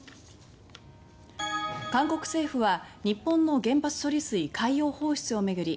韓国政府は、日本の原発処理水海洋放出を巡り